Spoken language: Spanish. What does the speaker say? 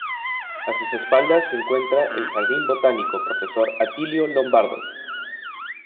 A sus espaldas se encuentra el Jardín Botánico Profesor Atilio Lombardo.